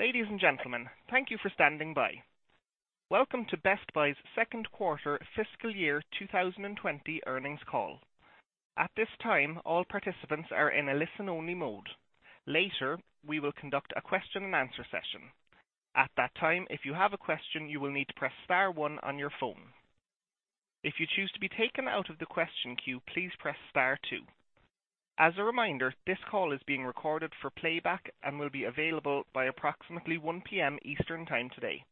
Ladies and gentlemen, thank you for standing by. Welcome to Best Buy's second quarter fiscal year 2020 earnings call. At this time, all participants are in a listen-only mode. Later, we will conduct a question-and-answer session. At that time, if you have a question, you will need to press star one on your phone. If you choose to be taken out of the question queue, please press star two. As a reminder, this call is being recorded for playback and will be available by approximately 1:00 P.M. Eastern Time today.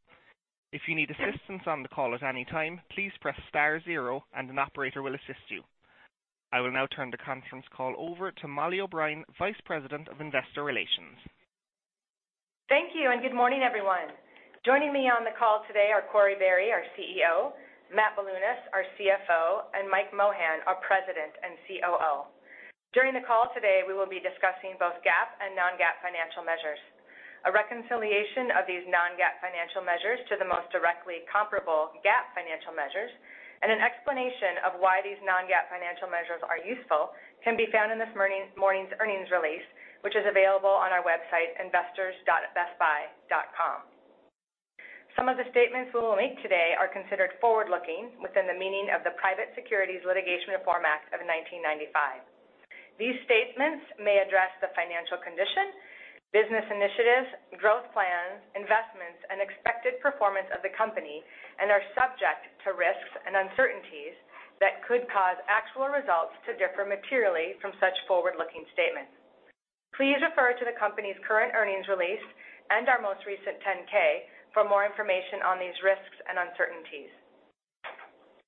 If you need assistance on the call at any time, please press star zero and an operator will assist you. I will now turn the conference call over to Mollie O'Brien, Vice President of Investor Relations. Thank you, and good morning, everyone. Joining me on the call today are Corie Barry, our CEO, Matt Bilunas, our CFO, and Mike Mohan, our President and COO. During the call today, we will be discussing both GAAP and non-GAAP financial measures. A reconciliation of these non-GAAP financial measures to the most directly comparable GAAP financial measures, and an explanation of why these non-GAAP financial measures are useful can be found in this morning's earnings release, which is available on our website, investors.bestbuy.com. Some of the statements we will make today are considered forward-looking within the meaning of the Private Securities Litigation Reform Act of 1995. These statements may address the financial condition, business initiatives, growth plans, investments, and expected performance of the company and are subject to risks and uncertainties that could cause actual results to differ materially from such forward-looking statements. Please refer to the company's current earnings release and our most recent 10-K for more information on these risks and uncertainties.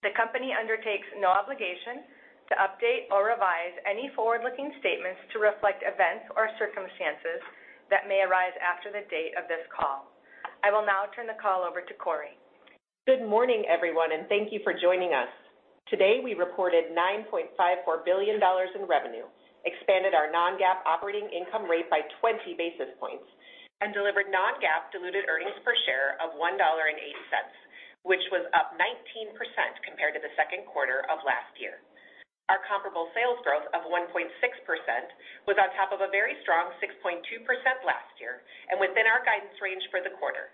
The company undertakes no obligation to update or revise any forward-looking statements to reflect events or circumstances that may arise after the date of this call. I will now turn the call over to Corie. Good morning, everyone, and thank thank you for joining us. Today, we reported $9.54 billion in revenue, expanded our non-GAAP operating income rate by 20 basis points, and delivered non-GAAP diluted earnings per share of $1.08, which was up 19% compared to the second quarter of last year. Our comparable sales growth of 1.6% was on top of a very strong 6.2% last year and within our guidance range for the quarter.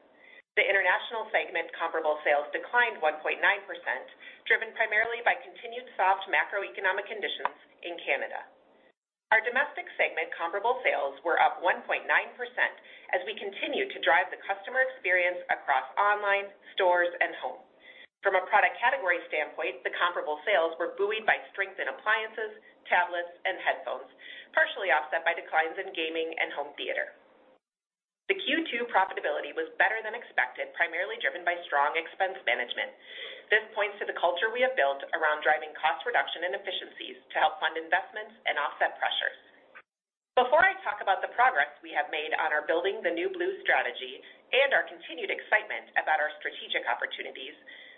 The international segment comparable sales declined 1.9%, driven primarily by continued soft macroeconomic conditions in Canada. Our domestic segment comparable sales were up 1.9% as we continue to drive the customer experience across online, stores, and home. From a product category standpoint, the comparable sales were buoyed by strength in appliances, tablets, and headphones, partially offset by declines in gaming and home theater. The Q2 profitability was better than expected, primarily driven by strong expense management. This points to the culture we have built around driving cost reduction and efficiencies to help fund investments and offset pressures. Before I talk about the progress we have made on our Building the New Blue strategy and our continued excitement about our strategic opportunities,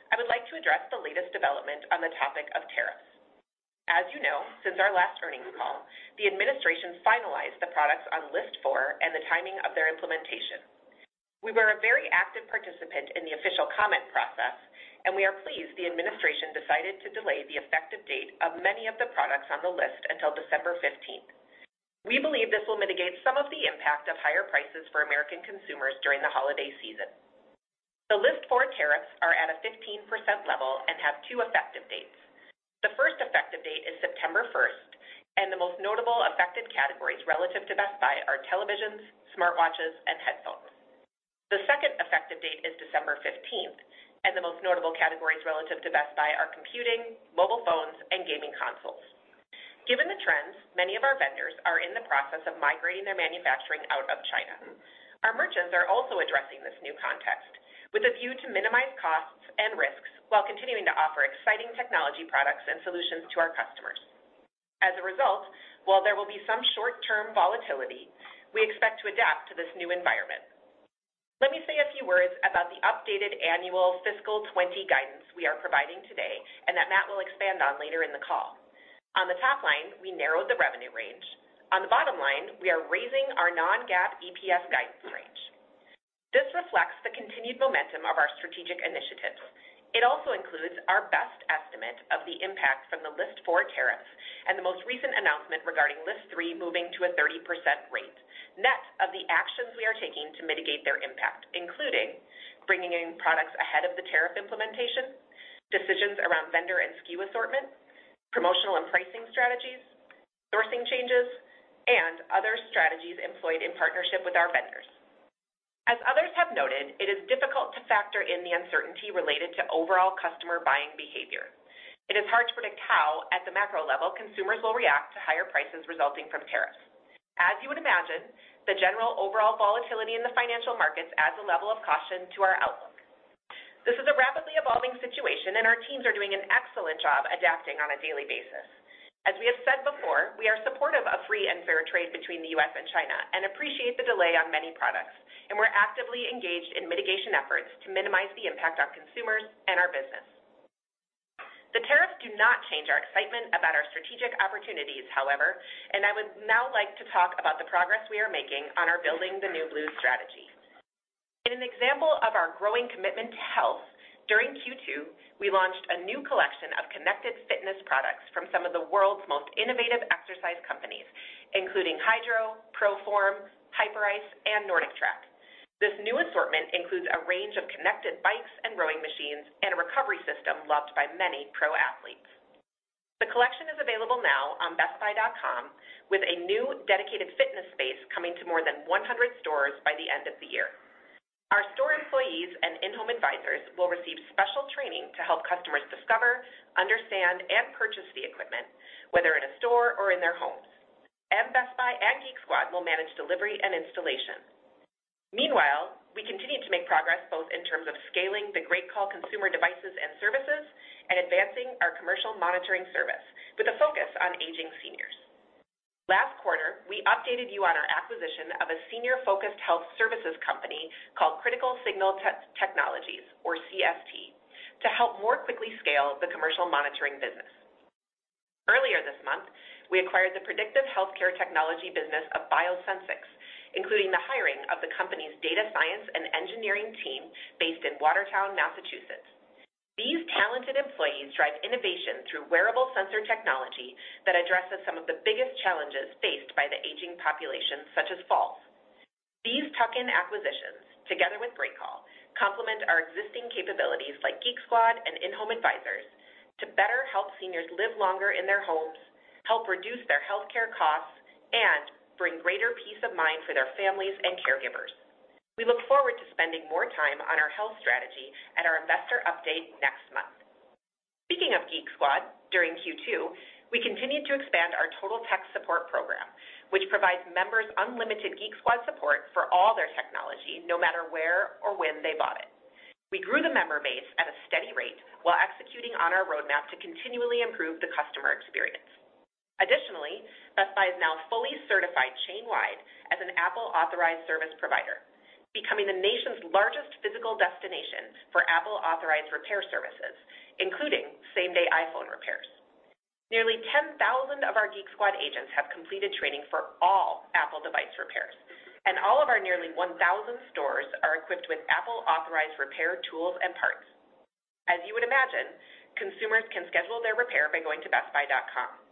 I would like to address the latest development on the topic of tariffs. As you know, since our last earnings call, the administration finalized the products on List 4 and the timing of their implementation. We were a very active participant in the official comment process, and we are pleased the administration decided to delay the effective date of many of the products on the list until December 15th. We believe this will mitigate some of the impact of higher prices for American consumers during the holiday season. The List 4 tariffs are at a 15% level and have two effective dates. The first effective date is September first. The most notable affected categories relative to Best Buy are televisions, smartwatches, and headphones. The second effective date is December 15th. The most notable categories relative to Best Buy are computing, mobile phones, and gaming consoles. Given the trends, many of our vendors are in the process of migrating their manufacturing out of China. Our merchants are also addressing this new context with a view to minimize costs and risks while continuing to offer exciting technology products and solutions to our customers. As a result, while there will be some short-term volatility, we expect to adapt to this new environment. Let me say a few words about the updated annual fiscal 2020 guidance we are providing today and that Matt will expand on later in the call. On the top line, we narrowed the revenue range. On the bottom line, we are raising our non-GAAP EPS guidance range. This reflects the continued momentum of our strategic initiatives. It also includes our best estimate of the impact from the List 4 tariffs and the most recent announcement regarding List 3 moving to a 30% rate, net of the actions we are taking to mitigate their impact, including bringing in products ahead of the tariff implementation, decisions around vendor and SKU assortment, promotional and pricing strategies, sourcing changes, and other strategies employed in partnership with our vendors. As others have noted, it is difficult to factor in the uncertainty related to overall customer buying behavior. It is hard to predict how, at the macro level, consumers will react to higher prices resulting from tariffs. As you would imagine, the general overall volatility in the financial markets adds a level of caution to our outlook. This is a rapidly evolving situation, and our teams are doing an excellent job adapting on a daily basis. As we have said before, we are supportive of free and fair trade between the U.S. and China and appreciate the delay on many products, and we're actively engaged in mitigation efforts to minimize the impact on consumers and our business. The tariffs do not change our excitement about our strategic opportunities, however, and I would now like to talk about the progress we are making on our Building the New Blue strategy. In an example of our growing commitment to health, during Q2, we launched a new collection of connected fitness products from some of the world's most innovative exercise companies, including Hydrow, ProForm, Hyperice, and NordicTrack. This new assortment includes a range of connected bikes and rowing machines, and a recovery system loved by many pro athletes. The collection is available now on bestbuy.com, with a new dedicated fitness space coming to more than 100 stores by the end of the year. Our store employees and In-Home Advisors will receive special training to help customers discover, understand, and purchase the equipment, whether in a store or in their homes. Best Buy and Geek Squad will manage delivery and installation. Meanwhile, we continue to make progress both in terms of scaling the GreatCall consumer devices and services and advancing our commercial monitoring service with a focus on aging seniors. Last quarter, we updated you on our acquisition of a senior-focused health services company called Critical Signal Technologies, or CST, to help more quickly scale the commercial monitoring business. Earlier this month, we acquired the predictive healthcare technology business of BioSensics, including the hiring of the company's data science and engineering team based in Watertown, Massachusetts. These talented employees drive innovation through wearable sensor technology that addresses some of the biggest challenges faced by the aging population, such as falls. These tuck-in acquisitions, together with GreatCall, complement our existing capabilities like Geek Squad and In-Home Advisors to better help seniors live longer in their homes, help reduce their healthcare costs, and bring greater peace of mind for their families and caregivers. We look forward to spending more time on our health strategy at our investor update next month. Speaking of Geek Squad, during Q2, we continued to expand our Total Tech Support program, which provides members unlimited Geek Squad support for all their technology, no matter where or when they bought it. We grew the member base at a steady rate while executing on our roadmap to continually improve the customer experience. Best Buy is now fully certified chain-wide as an Apple-authorized service provider, becoming the nation's largest physical destination for Apple-authorized repair services, including same-day iPhone repairs. Nearly 10,000 of our Geek Squad agents have completed training for all Apple device repairs, and all of our nearly 1,000 stores are equipped with Apple-authorized repair tools and parts. As you would imagine, consumers can schedule their repair by going to bestbuy.com.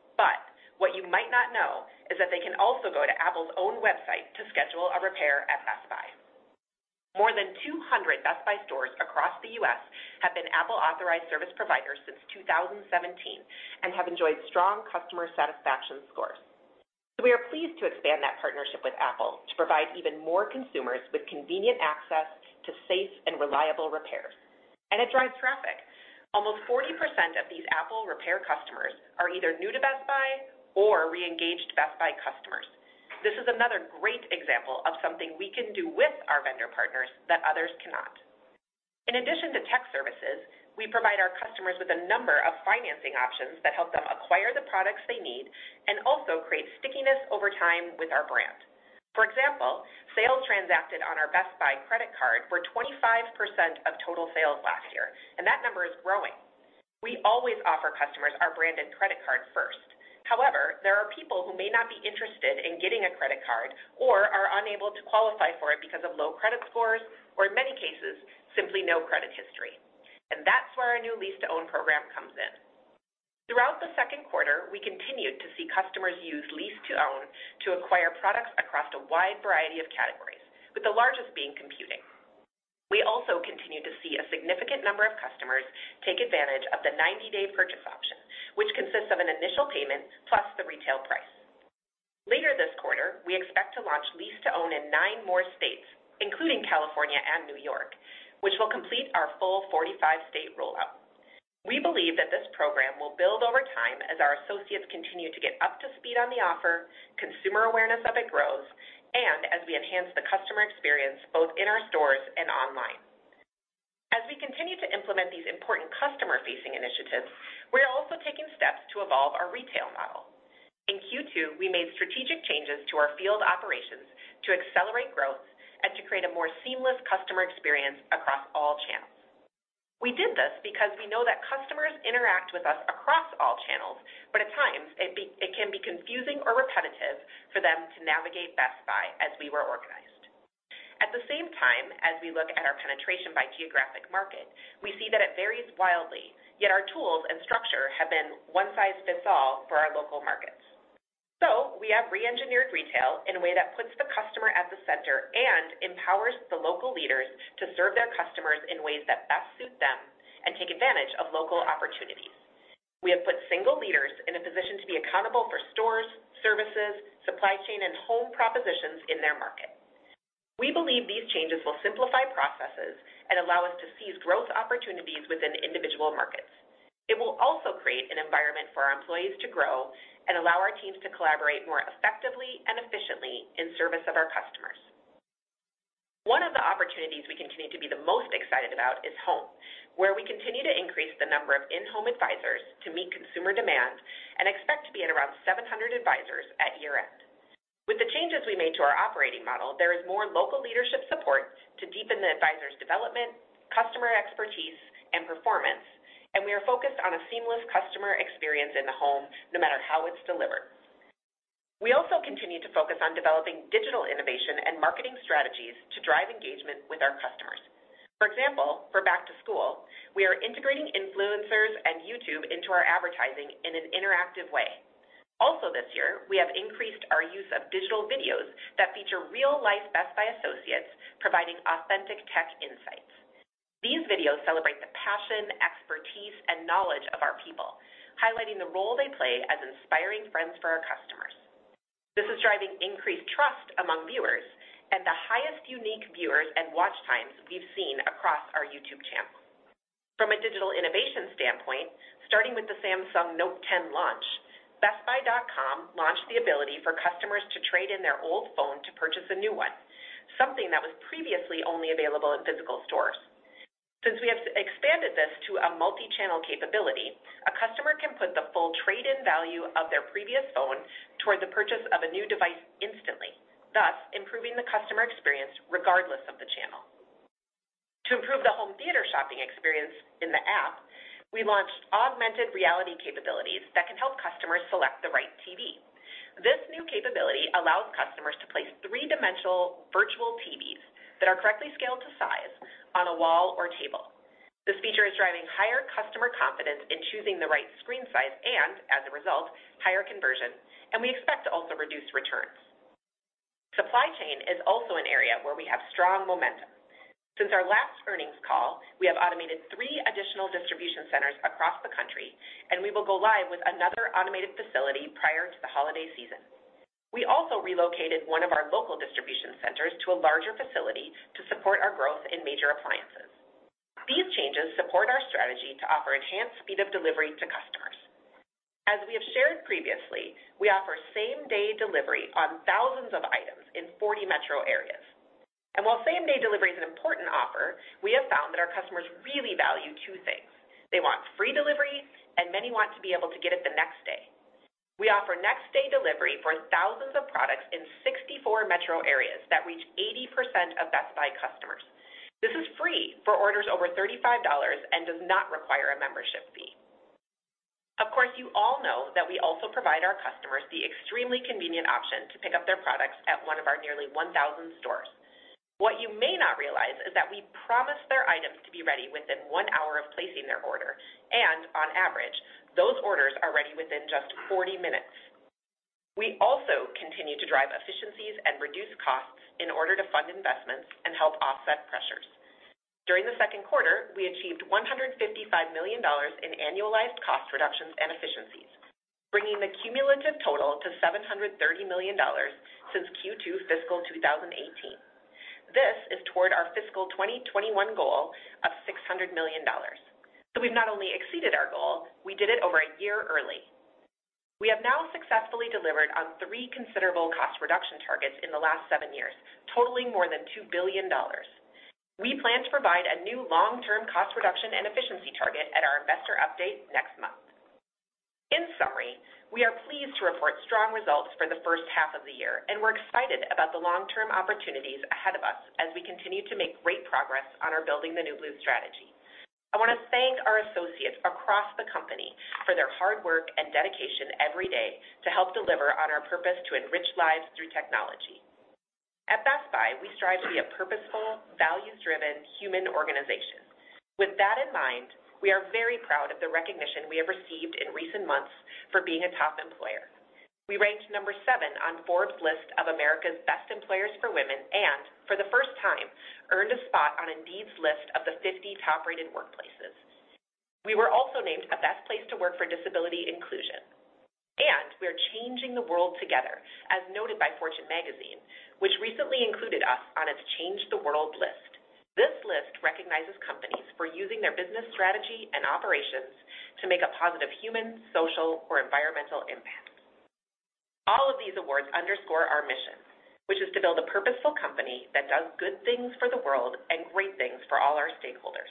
What you might not know is that they can also go to Apple's own website to schedule a repair at Best Buy. More than 200 Best Buy stores across the U.S. have been Apple-authorized service providers since 2017 and have enjoyed strong customer satisfaction scores. We are pleased to expand that partnership with Apple to provide even more consumers with convenient access to safe and reliable repairs. It drives traffic. Almost 40% of these Apple repair customers are either new to Best Buy or re-engaged Best Buy customers. This is another great example of something we can do with our vendor partners that others cannot. In addition to tech services, we provide our customers with a number of financing options that help them acquire the products they need and also create stickiness over time with our brand. For example, sales transacted on our Best Buy Credit Card were 25% of total sales last year, and that number is growing. We always offer customers our branded credit card first. However, there are people who may not be interested in getting a credit card or are unable to qualify for it because of low credit scores or in many cases, simply no credit history. That's where our new lease-to-own program comes in. Throughout the second quarter, we continued to see customers use lease-to-own to acquire products across a wide variety of categories, with the largest being computing. We also continue to see a significant number of customers take advantage of the 90-day purchase option, which consists of an initial payment plus the retail price. Later this quarter, we expect to launch lease-to-own in nine more states, including California and New York, which will complete our full 45-state rollout. We believe that this program will build over time as our associates continue to get up to speed on the offer, consumer awareness of it grows, and as we enhance the customer experience both in our stores and online. As we continue to implement these important customer-facing initiatives, we are also taking steps to evolve our retail model. In Q2, we made strategic changes to our field operations to accelerate growth and to create a more seamless customer experience across all channels. We did this because we know that customers interact with us across all channels, but at times, it can be confusing or repetitive for them to navigate Best Buy as we were organized. At the same time, as we look at our penetration by geographic market, we see that it varies wildly, yet our tools and structure have been one size fits all for our local markets. We have re-engineered retail in a way that puts the customer at the center and empowers the local leaders to serve their customers in ways that best suit them and take advantage of local opportunities. We have put single leaders in a position to be accountable for stores, services, supply chain, and home propositions in their market. We believe these changes will simplify processes and allow us to seize growth opportunities within individual markets. It will also create an environment for our employees to grow and allow our teams to collaborate more effectively and efficiently in service of our customers. One of the opportunities we continue to be the most excited about is home, where we continue to increase the number of In-Home Advisors to meet consumer demand and expect to be at around 700 advisors at year-end. With the changes we made to our operating model, there is more local leadership support to deepen the advisors' development, customer expertise, and performance. We are focused on a seamless customer experience in the home, no matter how it's delivered. We also continue to focus on developing digital innovation and marketing strategies to drive engagement with our customers. For example, for back to school, we are integrating influencers and YouTube into our advertising in an interactive way. Also this year, we have increased our use of digital videos that feature real-life Best Buy associates providing authentic tech insights. These videos celebrate the passion, expertise, and knowledge of our people, highlighting the role they play as inspiring friends for our customers. This is driving increased trust among viewers and the highest unique viewers and watch times we've seen across our YouTube channel. From a digital innovation standpoint, starting with the Samsung Note 10 launch, bestbuy.com launched the ability for customers to trade in their old phone to purchase a new one, something that was previously only available in physical stores. Since we have expanded this to a multi-channel capability, a customer can put the full trade-in value of their previous phone toward the purchase of a new device instantly, thus improving the customer experience regardless of the channel. To improve the home theater shopping experience in the app, we launched augmented reality capabilities that can help customers select the right TV. This new capability allows customers to place three-dimensional virtual TVs that are correctly scaled to size on a wall or table. This feature is driving higher customer confidence in choosing the right screen size and, as a result, higher conversion, and we expect to also reduce returns. Supply chain is also an area where we have strong momentum. Since our last earnings call, we have automated three additional distribution centers across the country, and we will go live with another automated facility prior to the holiday season. We also relocated one of our local distribution centers to a larger facility to support our growth in major appliances. These changes support our strategy to offer enhanced speed of delivery to customers. As we have shared previously, we offer same-day delivery on thousands of items in 40 metro areas. While same-day delivery is an important offer, we have found that our customers really value two things. They want free delivery, and many want to be able to get it the next day. We offer next-day delivery for thousands of products in 64 metro areas that reach 80% of Best Buy customers. This is free for orders over $35 and does not require a membership fee. Of course, you all know that we also provide our customers the extremely convenient option to pick up their products at one of our nearly 1,000 stores. What you may not realize is that we promise their items to be ready within one hour of placing their order, and on average, those orders are ready within just 40 minutes. We also continue to drive efficiencies and reduce costs in order to fund investments and help offset pressures. During the second quarter, we achieved $155 million in annualized cost reductions and efficiencies, bringing the cumulative total to $730 million since Q2 fiscal 2018. This is toward our fiscal 2021 goal of $600 million. We've not only exceeded our goal, we did it over a year early. We have now successfully delivered on three considerable cost reduction targets in the last seven years, totaling more than $2 billion. We plan to provide a new long-term cost reduction and efficiency target at our investor update next month. In summary, we are pleased to report strong results for the first half of the year, and we're excited about the long-term opportunities ahead of us as we continue to make great progress on our Building the New Blue strategy. I want to thank our associates across the company for their hard work and dedication every day to help deliver on our purpose to enrich lives through technology. At Best Buy, we strive to be a purposeful, values-driven human organization. With that in mind, we are very proud of the recognition we have received in recent months for being a top employer. We ranked number 7 on Forbes' list of America's Best Employers for Women and, for the first time, earned a spot on Indeed's list of the 50 Top-Rated Workplaces. We were also named a best place to work for disability inclusion. We are changing the world together, as noted by Fortune Magazine, which recently included us on its Change the World list. This list recognizes companies for using their business strategy and operations to make a positive human, social, or environmental impact. All of these awards underscore our mission, which is to build a purposeful company that does good things for the world and great things for all our stakeholders.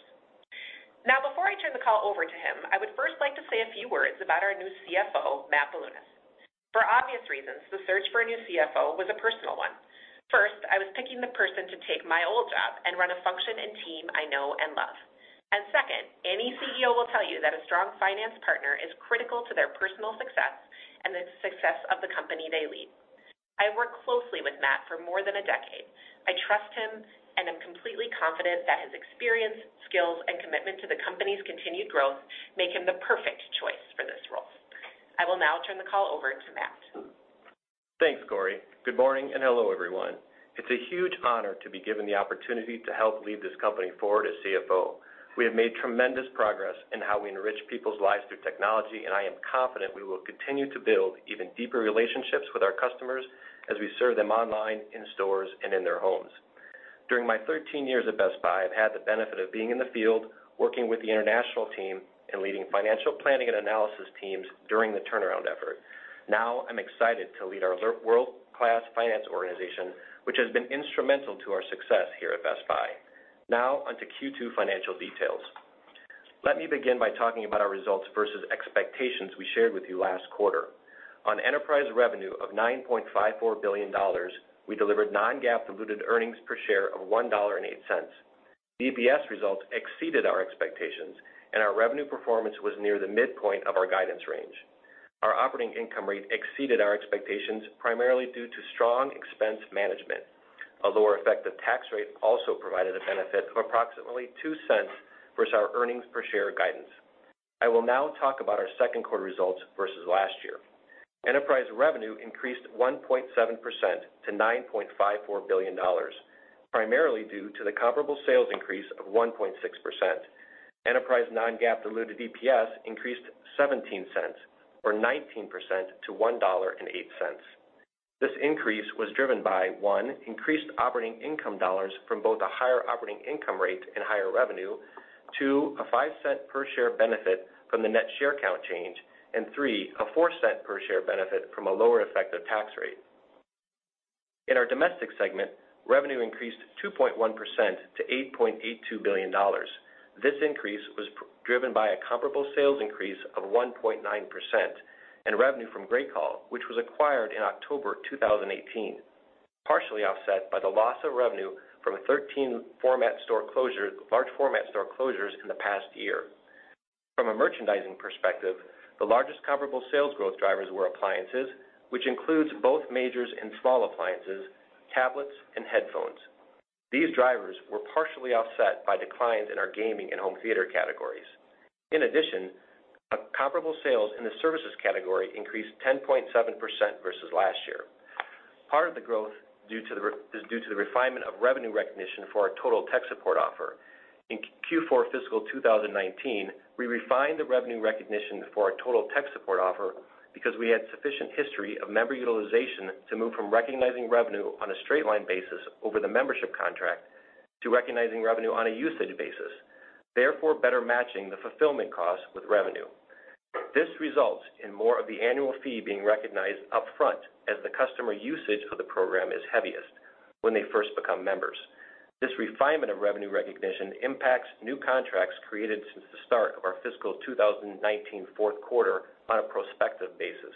Before I turn the call over to him, I would first like to say a few words about our new CFO, Matt Bilunas. For obvious reasons, the search for a new CFO was a personal one. First, I was picking the person to take my old job and run a function and team I know and love. Second, any CEO will tell you that a strong finance partner is critical to their personal success and the success of the company they lead. I worked closely with Matt for more than a decade. I trust him and am completely confident that his experience, skills, and commitment to the company's continued growth make him the perfect choice for this role. I will now turn the call over to Matt. Thanks, Corie. Good morning and hello, everyone. It's a huge honor to be given the opportunity to help lead this company forward as CFO. We have made tremendous progress in how we enrich people's lives through technology, and I am confident we will continue to build even deeper relationships with our customers as we serve them online, in stores, and in their homes. During my 13 years at Best Buy, I've had the benefit of being in the field, working with the international team, and leading financial planning and analysis teams during the turnaround effort. Now, I'm excited to lead our world-class finance organization, which has been instrumental to our success here at Best Buy. Now on to Q2 financial details. Let me begin by talking about our results versus expectations we shared with you last quarter. On enterprise revenue of $9.54 billion, we delivered non-GAAP diluted earnings per share of $1.08. EPS results exceeded our expectations, and our revenue performance was near the midpoint of our guidance range. Our operating income rate exceeded our expectations, primarily due to strong expense management. A lower effective tax rate also provided a benefit of approximately $0.02 versus our earnings per share guidance. I will now talk about our second quarter results versus last year. Enterprise revenue increased 1.7% to $9.54 billion, primarily due to the comparable sales increase of 1.6%. Enterprise non-GAAP diluted EPS increased $0.17, or 19%, to $1.08. This increase was driven by, one, increased operating income dollars from both a higher operating income rate and higher revenue. Two, a $0.05 per share benefit from the net share count change. Three, a $0.04 per share benefit from a lower effective tax rate. In our domestic segment, revenue increased 2.1% to $8.82 billion. This increase was driven by a comparable sales increase of 1.9%, and revenue from GreatCall, which was acquired in October 2018, partially offset by the loss of revenue from 13 large format store closures in the past year. From a merchandising perspective, the largest comparable sales growth drivers were appliances, which includes both majors and small appliances, tablets, and headphones. These drivers were partially offset by declines in our gaming and home theater categories. In addition, comparable sales in the services category increased 10.7% versus last year. Part of the growth is due to the refinement of revenue recognition for our Total Tech Support offer. In Q4 fiscal 2019, we refined the revenue recognition for our Total Tech Support because we had sufficient history of member utilization to move from recognizing revenue on a straight line basis over the membership contract, to recognizing revenue on a usage basis, therefore better matching the fulfillment costs with revenue. This results in more of the annual fee being recognized upfront as the customer usage for the program is heaviest, when they first become members. This refinement of revenue recognition impacts new contracts created since the start of our fiscal 2019 fourth quarter on a prospective basis.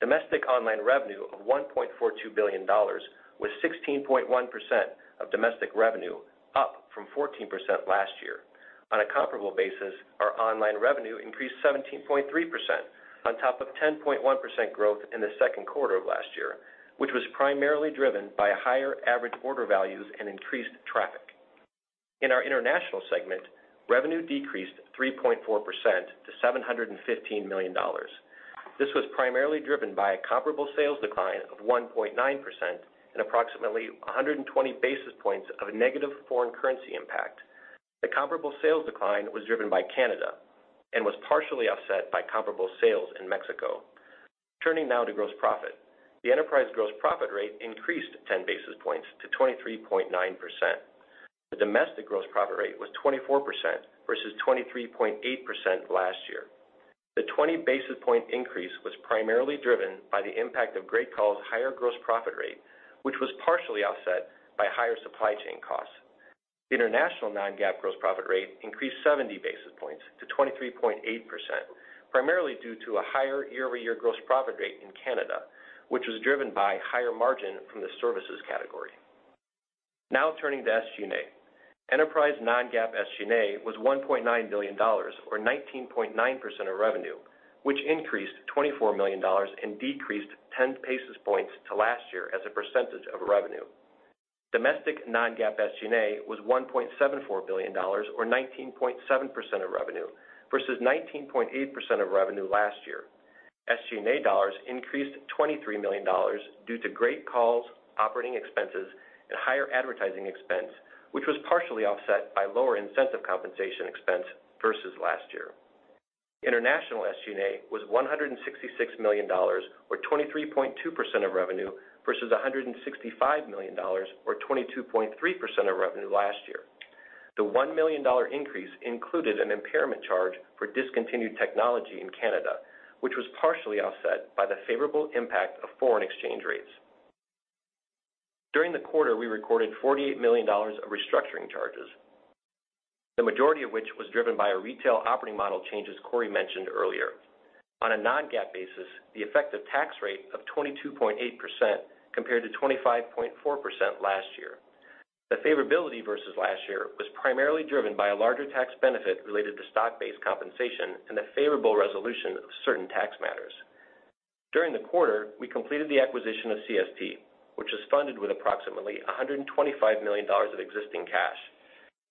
Domestic online revenue of $1.42 billion was 16.1% of domestic revenue, up from 14% last year. On a comparable basis, our online revenue increased 17.3% on top of 10.1% growth in the second quarter of last year, which was primarily driven by higher average order values and increased traffic. In our international segment, revenue decreased 3.4% to $715 million. This was primarily driven by a comparable sales decline of 1.9% and approximately 120 basis points of negative foreign currency impact. The comparable sales decline was driven by Canada and was partially offset by comparable sales in Mexico. Turning now to gross profit. The enterprise gross profit rate increased 10 basis points to 23.9%. The domestic gross profit rate was 24% versus 23.8% last year. The 20 basis point increase was primarily driven by the impact of GreatCall's higher gross profit rate, which was partially offset by higher supply chain costs. International non-GAAP gross profit rate increased 70 basis points to 23.8%, primarily due to a higher year-over-year gross profit rate in Canada, which was driven by higher margin from the services category. Now turning to SG&A. Enterprise non-GAAP SG&A was $1.9 billion, or 19.9% of revenue, which increased $24 million and decreased 10 basis points to last year as a percentage of revenue. Domestic non-GAAP SG&A was $1.74 billion, or 19.7% of revenue, versus 19.8% of revenue last year. SG&A dollars increased $23 million due to GreatCall's operating expenses and higher advertising expense, which was partially offset by lower incentive compensation expense versus last year. International SG&A was $166 million, or 23.2% of revenue, versus $165 million, or 22.3% of revenue last year. The $1 million increase included an impairment charge for discontinued technology in Canada, which was partially offset by the favorable impact of foreign exchange rates. During the quarter, we recorded $48 million of restructuring charges, the majority of which was driven by our retail operating model changes Corie mentioned earlier. On a non-GAAP basis, the effective tax rate of 22.8% compared to 25.4% last year. The favorability versus last year was primarily driven by a larger tax benefit related to stock-based compensation and the favorable resolution of certain tax matters. During the quarter, we completed the acquisition of CST, which was funded with approximately $125 million of existing cash.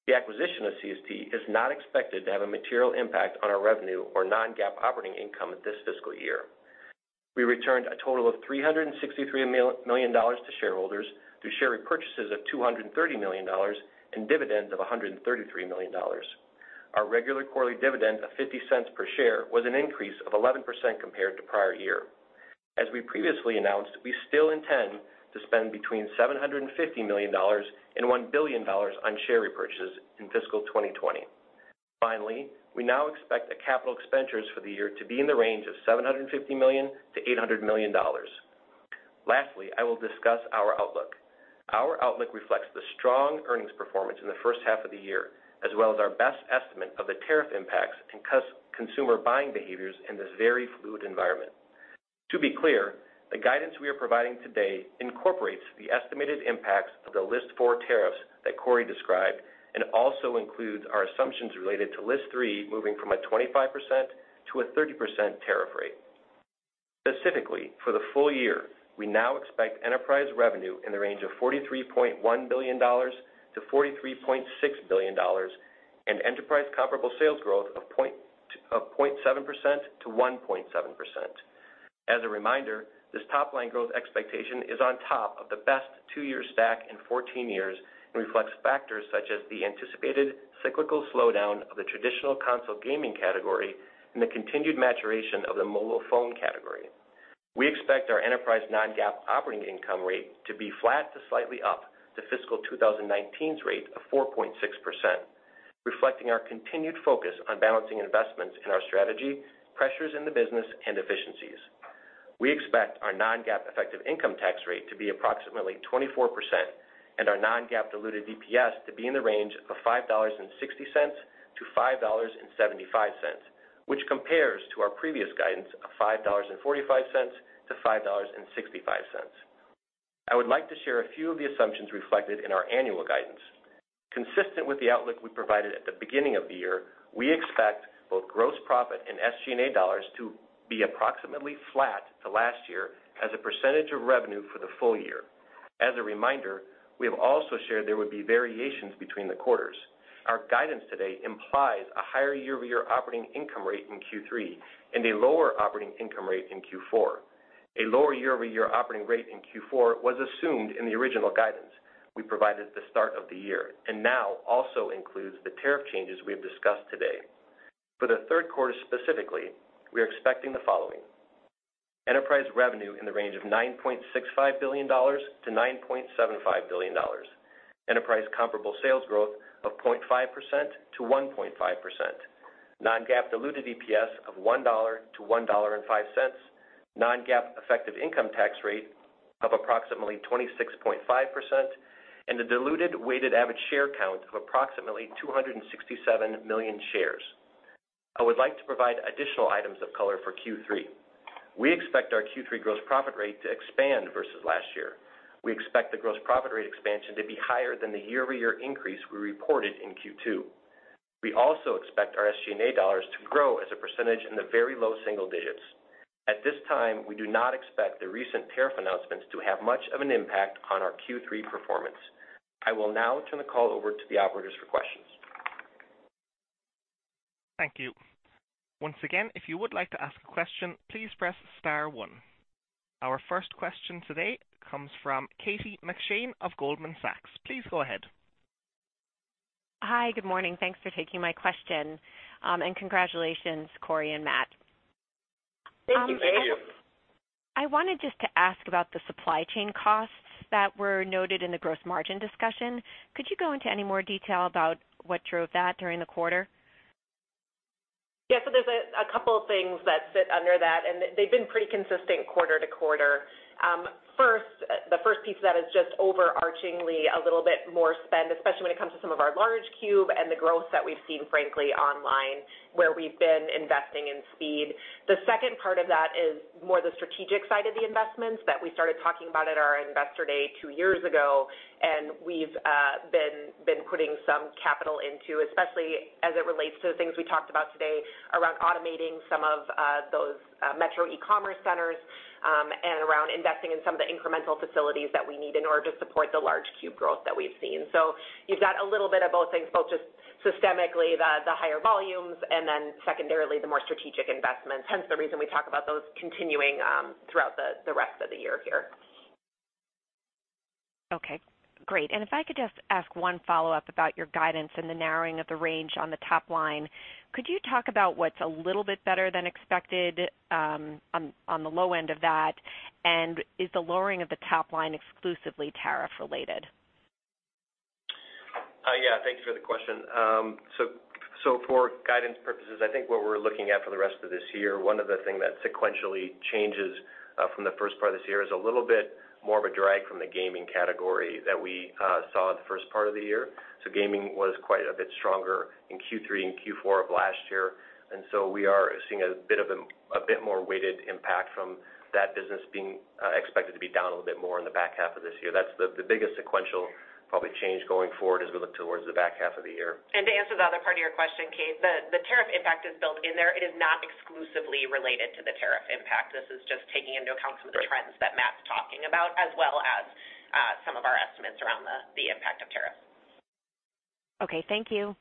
The acquisition of CST is not expected to have a material impact on our revenue or non-GAAP operating income this fiscal year. We returned a total of $363 million to shareholders through share repurchases of $230 million and dividends of $133 million. Our regular quarterly dividend of $0.50 per share was an increase of 11% compared to prior year. As we previously announced, we still intend to spend between $750 million and $1 billion on share repurchases in fiscal 2020. Finally, we now expect the capital expenditures for the year to be in the range of $750 million-$800 million. Lastly, I will discuss our outlook. Our outlook reflects the strong earnings performance in the first half of the year, as well as our best estimate of the tariff impacts and consumer buying behaviors in this very fluid environment. To be clear, the guidance we are providing today incorporates the estimated impacts of the List 4 tariffs that Corie described and also includes our assumptions related to List 3 moving from a 25% to a 30% tariff rate. Specifically, for the full year, we now expect enterprise revenue in the range of $43.1 billion-$43.6 billion and enterprise comparable sales growth of 0.7%-1.7%. As a reminder, this top-line growth expectation is on top of the best two-year stack in 14 years and reflects factors such as the anticipated cyclical slowdown of the traditional console gaming category and the continued maturation of the mobile phone category. We expect our enterprise non-GAAP operating income rate to be flat to slightly up to fiscal 2019's rate of 4.6%, reflecting our continued focus on balancing investments in our strategy, pressures in the business, and efficiencies. We expect our non-GAAP effective income tax rate to be approximately 24% and our non-GAAP diluted EPS to be in the range of $5.60-$5.75, which compares to our previous guidance of $5.45-$5.65. I would like to share a few of the assumptions reflected in our annual guidance. Consistent with the outlook we provided at the beginning of the year, we expect both gross profit and SG&A dollars to be approximately flat to last year as a percentage of revenue for the full year. As a reminder, we have also shared there would be variations between the quarters. Our guidance today implies a higher year-over-year operating income rate in Q3 and a lower operating income rate in Q4. A lower year-over-year operating rate in Q4 was assumed in the original guidance we provided at the start of the year and now also includes the tariff changes we have discussed today. For the third quarter specifically, we are expecting the following. Enterprise revenue in the range of $9.65 billion-$9.75 billion. Enterprise comparable sales growth of 0.5%-1.5%. Non-GAAP diluted EPS of $1-$1.05. Non-GAAP effective income tax rate of approximately 26.5%, and a diluted weighted average share count of approximately 267 million shares. I would like to provide additional items of color for Q3. We expect our Q3 gross profit rate to expand versus last year. We expect the gross profit rate expansion to be higher than the year-over-year increase we reported in Q2. We also expect our SG&A dollars to grow as a percentage in the very low single digits. At this time, we do not expect the recent tariff announcements to have much of an impact on our Q3 performance. I will now turn the call over to the operators for questions. Thank you. Once again, if you would like to ask a question, please press star one. Our first question today comes from Kate McShane of Goldman Sachs. Please go ahead. Hi. Good morning. Thanks for taking my question, and congratulations, Corie and Matt. Thank you. Thank you. I wanted just to ask about the supply chain costs that were noted in the gross margin discussion. Could you go into any more detail about what drove that during the quarter? Yeah. There's a couple of things that sit under that, and they've been pretty consistent quarter-to-quarter. First, the first piece of that is just overarchingly a little bit more spend, especially when it comes to some of our large cube and the growth that we've seen, frankly, online where we've been investing in speed. The second part of that is more the strategic side of the investments that we started talking about at our investor day two years ago and we've been putting some capital into, especially as it relates to the things we talked about today around automating some of those metro e-commerce centers and around investing in some of the incremental facilities that we need in order to support the large cube growth that we've seen. You've got a little bit of both things, both just systemically the higher volumes and then secondarily, the more strategic investments, hence the reason we talk about those continuing throughout the rest of the year here. Okay. Great. If I could just ask one follow-up about your guidance and the narrowing of the range on the top line. Could you talk about what's a little bit better than expected on the low end of that? Is the lowering of the top line exclusively tariff related? Yeah. Thank you for the question. For guidance purposes, I think what we're looking at for the rest of this year, one of the thing that sequentially changes from the first part of this year is a little bit more of a drag from the gaming category that we saw at the first part of the year. So gaming was quite a bit stronger in Q3 and Q4 of last year, and so we are seeing a bit more weighted impact from that business being expected to be down a little bit more in the back half of this year. That's the biggest sequential probably change going forward as we look towards the back half of the year. To answer the other part of your question, Kate, the tariff impact is built in there. It is not exclusively related to the tariff impact. This is just taking into account some of the trends that Matt's talking about, as well as some of our estimates around the impact of tariffs. Okay. Thank you.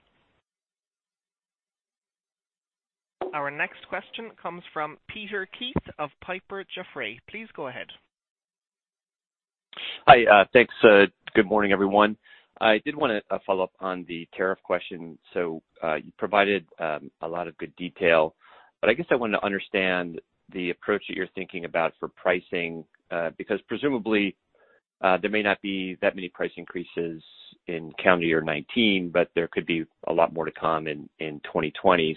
Our next question comes from Peter Keith of Piper Jaffray. Please go ahead. Hi. Thanks. Good morning, everyone. I did want to follow up on the tariff question. You provided a lot of good detail, but I guess I wanted to understand the approach that you're thinking about for pricing because presumably there may not be that many price increases in calendar year 2019, but there could be a lot more to come in 2020.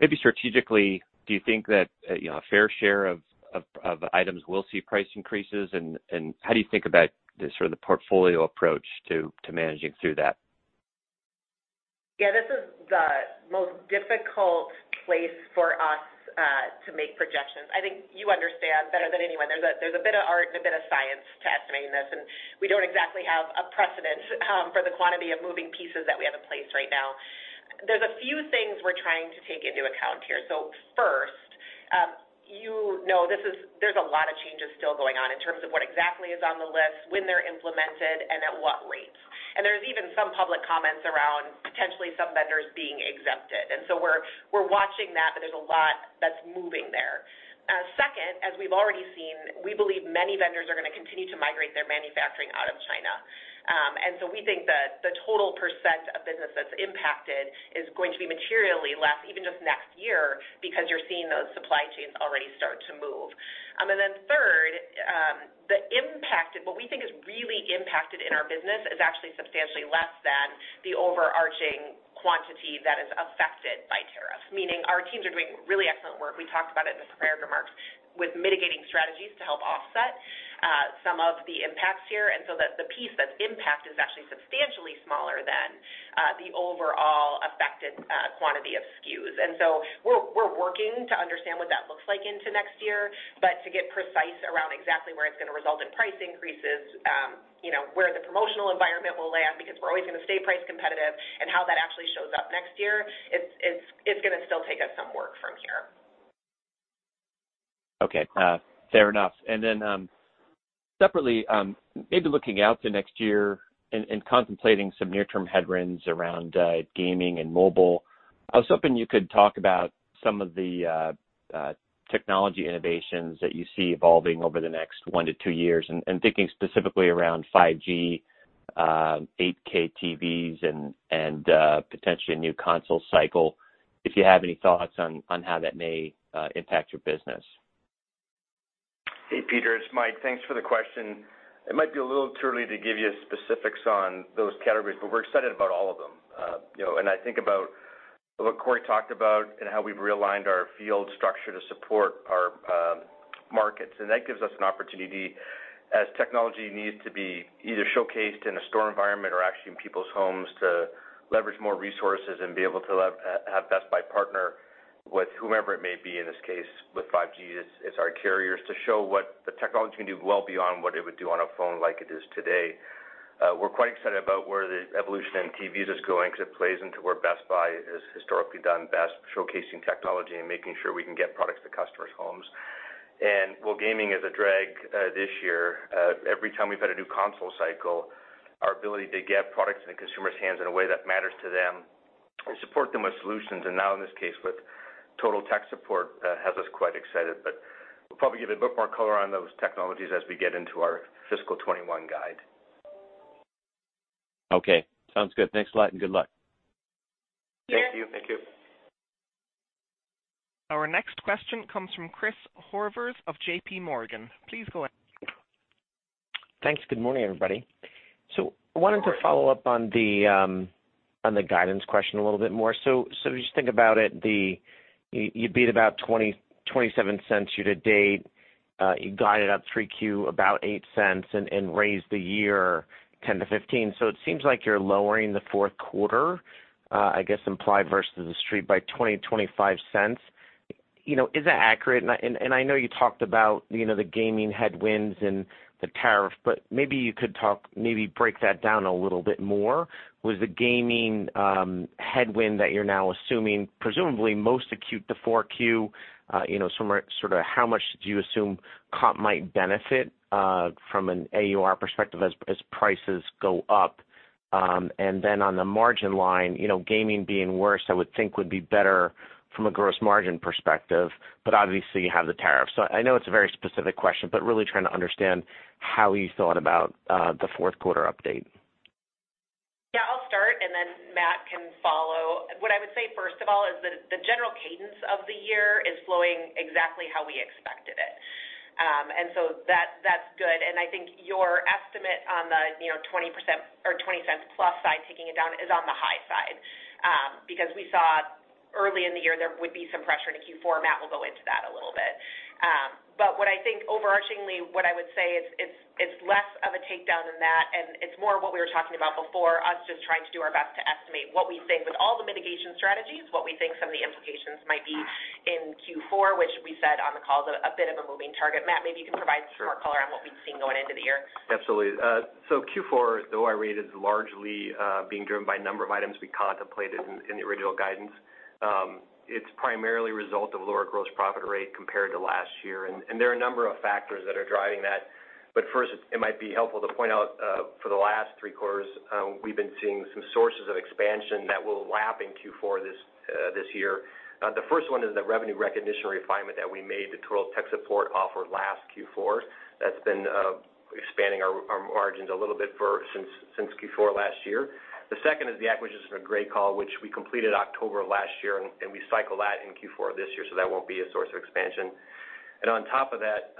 Maybe strategically, do you think that a fair share of items will see price increases and how do you think about the sort of portfolio approach to managing through that? Yeah, this is the most difficult place for us to make projections. I think you understand better than anyone, there's a bit of art and a bit of science to estimating this, and we don't exactly have a precedent for the quantity of moving pieces that we have in place right now. There's a few things we're trying to take into account here. First, you know there's a lot of changes still going on in terms of what exactly is on the list, when they're implemented, and at what rates. There's even some public comments around potentially some vendors being exempted. We're watching that, but there's a lot that's moving there. Second, as we've already seen, we believe many vendors are going to continue to migrate their manufacturing out of China. We think that the total percent of business that's impacted is going to be materially less, even just next year, because you're seeing those supply chains already start to move. Third, what we think is really impacted in our business is actually substantially less than the overarching quantity that is affected by tariffs. Meaning our teams are doing really excellent work, we talked about it in the prepared remarks, with mitigating strategies to help offset some of the impacts here, and so that the piece that's impact is actually substantially smaller than the overall affected quantity of SKUs. We're working to understand what that looks like into next year, but to get precise around exactly where it's going to result in price increases, where the promotional environment will land, because we're always going to stay price competitive, and how that actually shows up next year, it's going to still take us some work from here. Okay. Fair enough. Separately, maybe looking out to next year and contemplating some near-term headwinds around gaming and mobile, I was hoping you could talk about some of the technology innovations that you see evolving over the next 1 to 2 years, and thinking specifically around 5G, 8K TVs, and potentially a new console cycle, if you have any thoughts on how that may impact your business. Hey, Peter. It's Mike. Thanks for the question. It might be a little too early to give you specifics on those categories. We're excited about all of them. I think about what Corie talked about and how we've realigned our field structure to support our markets. That gives us an opportunity as technology needs to be either showcased in a store environment or actually in people's homes to leverage more resources and be able to have Best Buy partner with whomever it may be, in this case, with 5G, it's our carriers, to show what the technology can do well beyond what it would do on a phone like it is today. We're quite excited about where the evolution in TVs is going, because it plays into where Best Buy has historically done best, showcasing technology and making sure we can get products to customers' homes. While gaming is a drag this year, every time we've had a new console cycle, our ability to get products in the consumer's hands in a way that matters to them and support them with solutions, and now in this case, with Total Tech Support, has us quite excited. We'll probably give a bit more color on those technologies as we get into our fiscal 2021 guide. Okay. Sounds good. Thanks a lot, and good luck. Yes. Thank you. Thank you. Our next question comes from Christopher Horvers of JPMorgan. Please go ahead. Thanks. Good morning, everybody. I wanted to follow up on the guidance question a little bit more. Just think about it, you beat about $0.27 year to date. You guided up three Q about $0.08 and raised the year $0.10-$0.15. It seems like you're lowering the fourth quarter, I guess implied versus the street by $0.20-$0.25. Is that accurate? I know you talked about the gaming headwinds and the tariff, but maybe you could maybe break that down a little bit more. Was the gaming headwind that you're now assuming, presumably most acute to four Q, sort of how much do you assume comp might benefit from an AUR perspective as prices go up? Then on the margin line, gaming being worse, I would think would be better from a gross margin perspective, but obviously you have the tariff. I know it's a very specific question, but really trying to understand how you thought about the fourth quarter update. I'll start and then Matt can follow. What I would say, first of all, is that the general cadence of the year is flowing exactly how we expected it. That's good, and I think your estimate on the 20% or $0.20 plus side, taking it down, is on the high side. Because we saw early in the year there would be some pressure in the Q4, and Matt will go into that a little bit. What I think overarchingly, what I would say is it's less of a takedown than that, and it's more of what we were talking about before, us just trying to do our best to estimate what we think with all the mitigation strategies, what we think some of the implications might be in Q4, which we said on the call is a bit of a moving target. Matt, maybe you can provide some more color on what we've seen going into the year? Absolutely. Q4, though I rate it as largely being driven by a number of items we contemplated in the original guidance, it's primarily a result of lower gross profit rate compared to last year. There are a number of factors that are driving that. First, it might be helpful to point out, for the last three quarters, we've been seeing some sources of expansion that will lap in Q4 this year. The first one is the revenue recognition refinement that we made, the Total Tech Support offer last Q4. That's been expanding our margins a little bit since Q4 last year. The second is the acquisition of GreatCall, which we completed October of last year, and we cycle that in Q4 of this year, so that won't be a source of expansion. On top of that,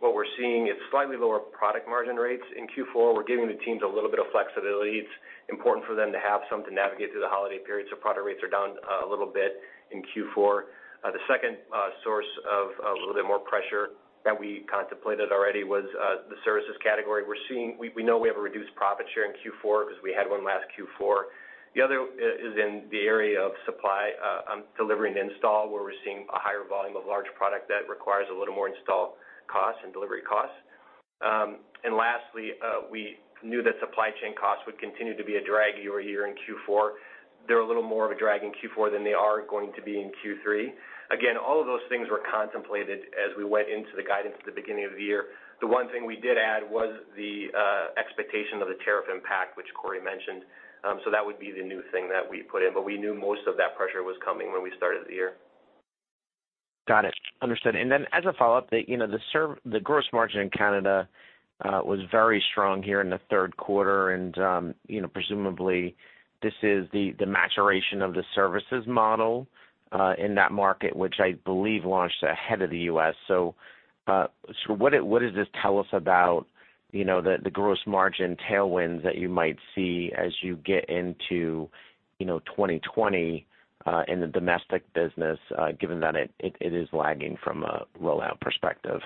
what we're seeing is slightly lower product margin rates in Q4. We're giving the teams a little bit of flexibility. It's important for them to have some to navigate through the holiday period. Product rates are down a little bit in Q4. The second source of a little bit more pressure that we contemplated already was the services category. We know we have a reduced profit share in Q4 because we had one last Q4. The other is in the area of supply, deliver and install, where we're seeing a higher volume of large product that requires a little more install costs and delivery costs. Lastly, we knew that supply chain costs would continue to be a drag year-over-year in Q4. They're a little more of a drag in Q4 than they are going to be in Q3. Again, all of those things were contemplated as we went into the guidance at the beginning of the year. The one thing we did add was the expectation of the tariff impact, which Corie mentioned. That would be the new thing that we put in, but we knew most of that pressure was coming when we started the year. Got it. Understood. As a follow-up, the gross margin in Canada was very strong here in the third quarter, and presumably, this is the maturation of the services model in that market, which I believe launched ahead of the U.S. What does this tell us about the gross margin tailwinds that you might see as you get into 2020 in the domestic business, given that it is lagging from a rollout perspective?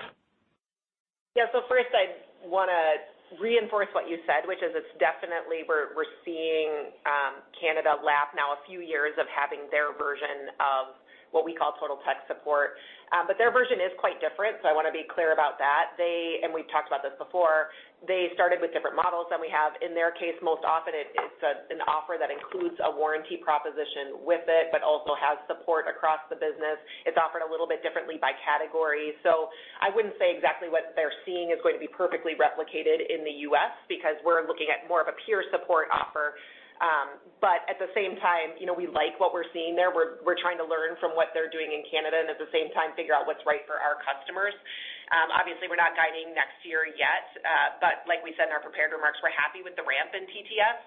Yeah. First, I want to reinforce what you said, which is it's definitely we're seeing Canada lap now a few years of having their version of what we call Total Tech Support. Their version is quite different, so I want to be clear about that. We've talked about this before. They started with different models than we have. In their case, most often it's an offer that includes a warranty proposition with it, but also has support across the business. It's offered a little bit differently by category. I wouldn't say exactly what they're seeing is going to be perfectly replicated in the U.S. because we're looking at more of a peer support offer. At the same time, we like what we're seeing there. We're trying to learn from what they're doing in Canada, and at the same time, figure out what's right for our customers. Obviously, we're not guiding next year yet. Like we said in our prepared remarks, we're happy with the ramp in TTS.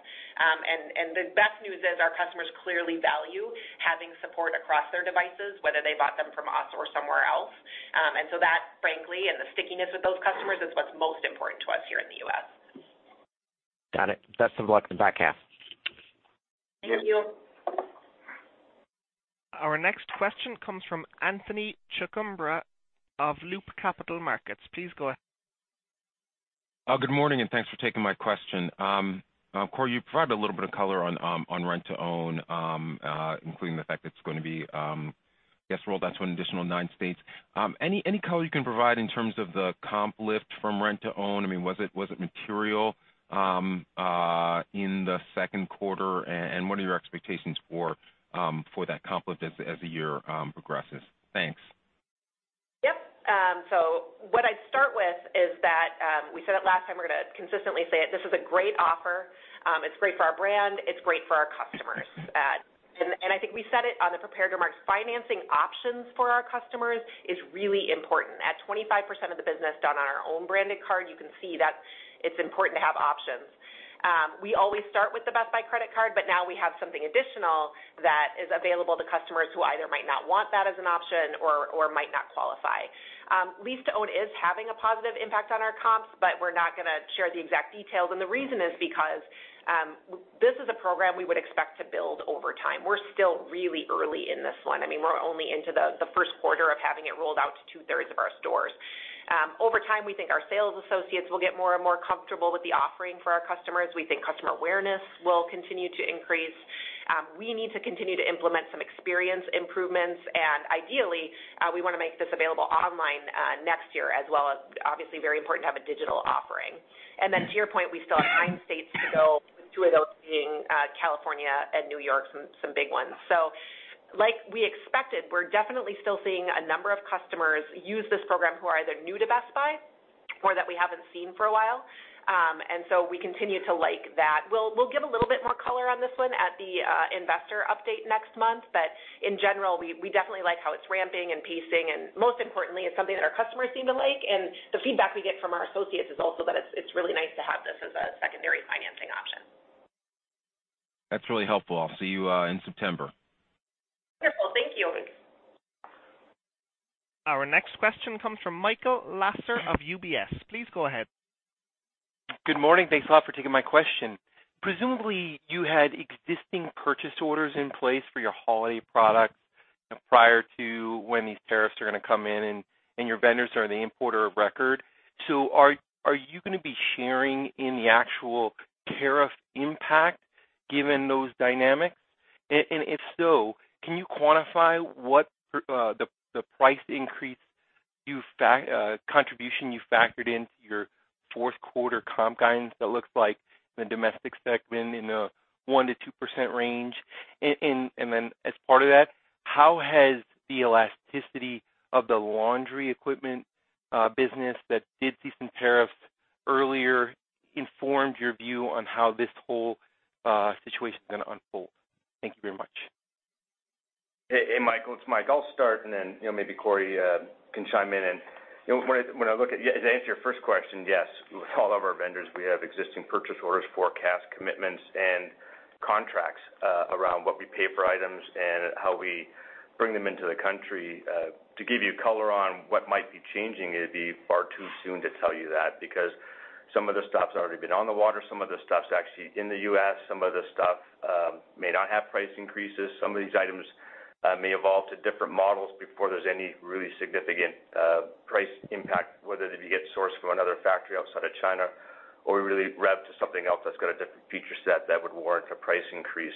The best news is our customers clearly value having support across their devices, whether they bought them from us or somewhere else. That, frankly, and the stickiness with those customers is what's most important to us here in the U.S. Got it. Best of luck in the back half. Thank you. Our next question comes from Anthony Chukumba of Loop Capital Markets. Please go ahead. Good morning. Thanks for taking my question. Corie, you provided a little bit of color on rent-to-own, including the fact that it's going to be rolled out to an additional nine states. Any color you can provide in terms of the comp lift from rent-to-own? I mean, was it material in the second quarter? What are your expectations for that comp lift as the year progresses? Thanks. Yep. What I'd start with is that we said it last time, we're going to consistently say it, this is a great offer. It's great for our brand. It's great for our customers. I think we said it on the prepared remarks, financing options for our customers is really important. At 25% of the business done on our own branded card, you can see that it's important to have options. We always start with the Best Buy credit card, but now we have something additional that is available to customers who either might not want that as an option or might not qualify. Lease-to-own is having a positive impact on our comps, but we're not going to share the exact details, and the reason is because this is a program we would expect to build over time. We're still really early in this one. I mean, we're only into the first quarter of having it rolled out to two-thirds of our stores. Over time, we think our sales associates will get more and more comfortable with the offering for our customers. We think customer awareness will continue to increase. We need to continue to implement some experience improvements. Ideally, we want to make this available online next year as well as obviously very important to have a digital offering. To your point, we still have nine states to go, two of those being California and New York, some big ones. Like we expected, we're definitely still seeing a number of customers use this program who are either new to Best Buy or that we haven't seen for a while. We continue to like that. We'll give a little bit more color on this one at the investor update next month. In general, we definitely like how it's ramping and pacing, and most importantly, it's something that our customers seem to like, and the feedback we get from our associates is also that it's really nice to have this as a secondary financing option. That's really helpful. I'll see you in September. Wonderful. Thank you. Our next question comes from Michael Lasser of UBS. Please go ahead. Good morning. Thanks a lot for taking my question. Presumably, you had existing purchase orders in place for your holiday products prior to when these tariffs are going to come in, and your vendors are the importer of record. Are you going to be sharing in the actual tariff impact given those dynamics? If so, can you quantify what the price increase contribution you factored into your fourth quarter comp guidance that looks like the domestic segment in a 1% to 2% range? Then as part of that, how has the elasticity of the laundry equipment business that did see some tariffs earlier informed your view on how this whole situation is going to unfold? Thank you very much. Hey, Michael, it's Mike. I'll start and then maybe Corie can chime in. When I look at, to answer your first question, yes. With all of our vendors, we have existing purchase orders, forecasts, commitments, and contracts around what we pay for items and how we bring them into the country. To give you color on what might be changing, it'd be far too soon to tell you that, because some of the stuff's already been on the water, some of the stuff's actually in the U.S., some of the stuff may not have price increases. Some of these items may evolve to different models before there's any really significant price impact, whether they be get sourced from another factory outside of China or we really rev to something else that's got a different feature set that would warrant a price increase.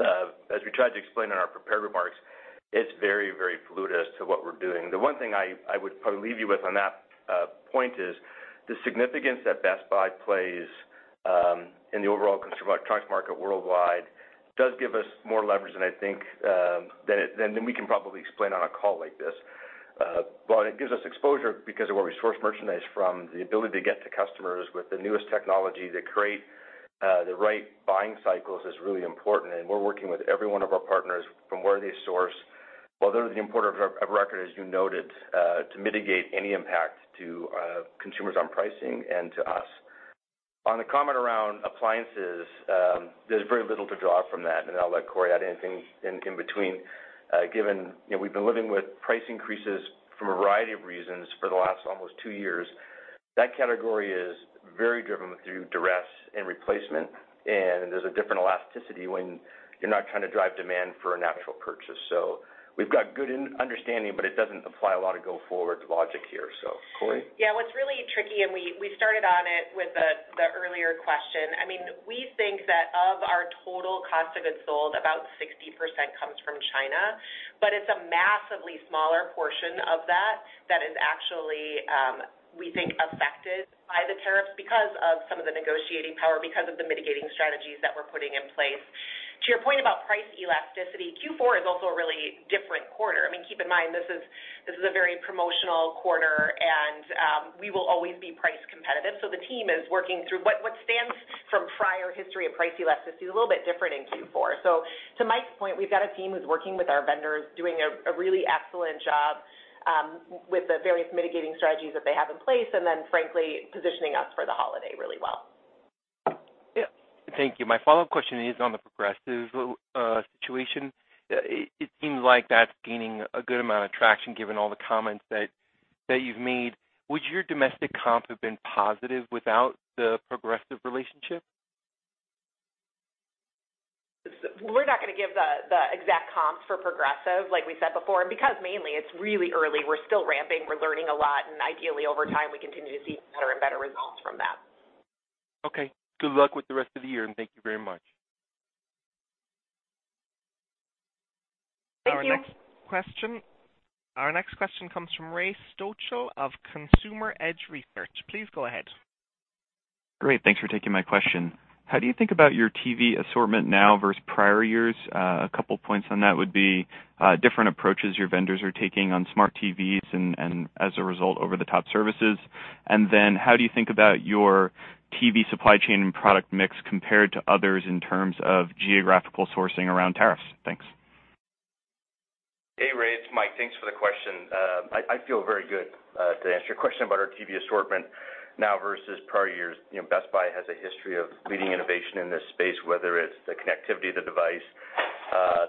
As we tried to explain in our prepared remarks, it's very polluted as to what we're doing. The one thing I would probably leave you with on that point is the significance that Best Buy plays in the overall consumer electronics market worldwide does give us more leverage than we can probably explain on a call like this. It gives us exposure because of where we source merchandise from, the ability to get to customers with the newest technology, to create the right buying cycles is really important, and we're working with every one of our partners from where they source, while they're the importer of record, as you noted, to mitigate any impact to consumers on pricing and to us. On the comment around appliances, there's very little to draw from that, and I'll let Corie add anything in between. Given we've been living with price increases for a variety of reasons for the last almost two years. That category is very driven through duress and replacement, and there's a different elasticity when you're not trying to drive demand for a natural purchase. We've got good understanding, but it doesn't apply a lot of go-forward logic here. Corie? What's really tricky, and we started on it with the earlier question. We think that of our total cost of goods sold, about 60% comes from China, but it's a massively smaller portion of that is actually, we think, affected by the tariffs because of some of the negotiating power, because of the mitigating strategies that we're putting in place. To your point about price elasticity, Q4 is also a really different quarter. Keep in mind, this is a very promotional quarter, and we will always be price competitive. The team is working through what stands from prior history of price elasticity is a little bit different in Q4. To Mike's point, we've got a team who's working with our vendors, doing a really excellent job with the various mitigating strategies that they have in place, and then frankly, positioning us for the holiday really well. Yeah. Thank you. My follow-up question is on the Progressive situation. It seems like that's gaining a good amount of traction given all the comments that you've made. Would your domestic comp have been positive without the Progressive relationship? We're not going to give the exact comp for Progressive, like we said before, because mainly it's really early. We're still ramping, we're learning a lot, and ideally, over time, we continue to see better and better results from that. Okay. Good luck with the rest of the year. Thank you very much. Thank you. Our next question comes from Ray Stochil of Consumer Edge Research. Please go ahead. Great. Thanks for taking my question. How do you think about your TV assortment now versus prior years? A couple of points on that would be different approaches your vendors are taking on smart TVs and as a result, over-the-top services. How do you think about your TV supply chain and product mix compared to others in terms of geographical sourcing around tariffs? Thanks. Hey, Ray, it's Mike. Thanks for the question. I feel very good to answer your question about our TV assortment now versus prior years. Best Buy has a history of leading innovation in this space, whether it's the connectivity of the device,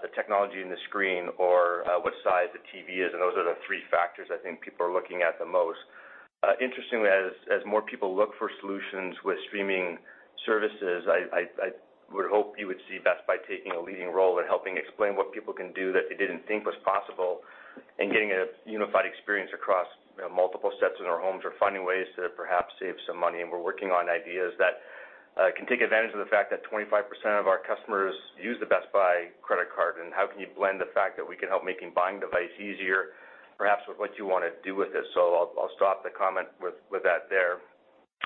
the technology in the screen, or what size the TV is, and those are the three factors I think people are looking at the most. Interestingly, as more people look for solutions with streaming services, I would hope you would see Best Buy taking a leading role in helping explain what people can do that they didn't think was possible and getting a unified experience across multiple sets in their homes or finding ways to perhaps save some money. We're working on ideas that can take advantage of the fact that 25% of our customers use the My Best Buy Credit Card, and how can you blend the fact that we can help making buying device easier, perhaps with what you want to do with this? I'll stop the comment with that there.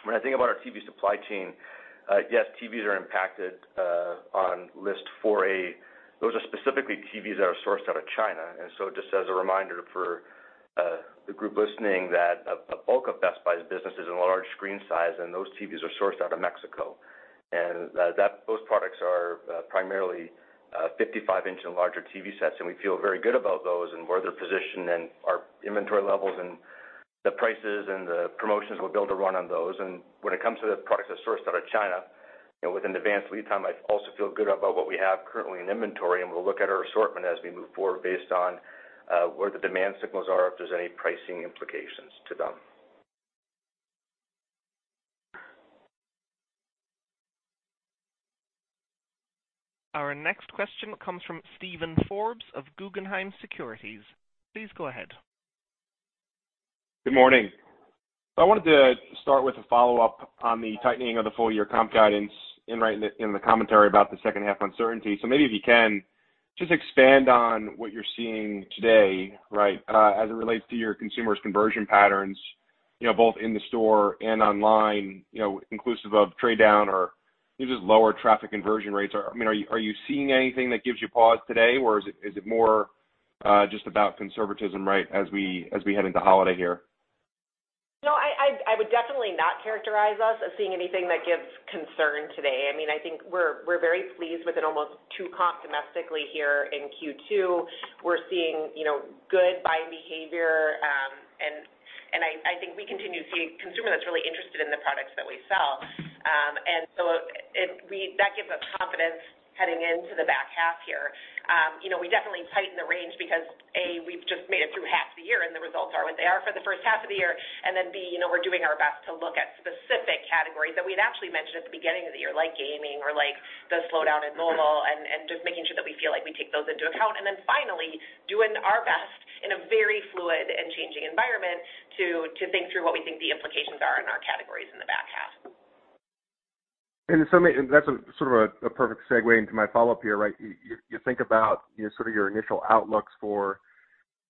When I think about our TV supply chain, yes, TVs are impacted on List 4A. Those are specifically TVs that are sourced out of China. Just as a reminder for the group listening, that a bulk of Best Buy's business is in large screen size, and those TVs are sourced out of Mexico. Those products are primarily 55-inch and larger TV sets, and we feel very good about those and where they're positioned and our inventory levels and the prices and the promotions we're able to run on those. When it comes to the products that are sourced out of China, with an advanced lead time, I also feel good about what we have currently in inventory, and we'll look at our assortment as we move forward based on where the demand signals are, if there's any pricing implications to them. Our next question comes from Steven Forbes of Guggenheim Securities. Please go ahead. Good morning. I wanted to start with a follow-up on the tightening of the full-year comp guidance in the commentary about the second half uncertainty. Maybe if you can just expand on what you're seeing today, as it relates to your consumer's conversion patterns, both in the store and online, inclusive of trade down or just lower traffic conversion rates. Are you seeing anything that gives you pause today, or is it more just about conservatism as we head into Holiday here? I would definitely not characterize us as seeing anything that gives concern today. I think we're very pleased with an almost two comp domestically here in Q2. We're seeing good buying behavior. I think we continue to see a consumer that's really interested in the products that we sell. That gives us confidence heading into the back half here. We definitely tighten the range because, A, we've just made it through half the year, and the results are what they are for the first half of the year. Then, B, we're doing our best to look at specific categories that we'd actually mentioned at the beginning of the year, like gaming or the slowdown in mobile and just making sure that we feel like we take those into account. Finally, doing our best in a very fluid and changing environment to think through what we think the implications are in our categories in the back half. That's sort of a perfect segue into my follow-up here. You think about your initial outlooks for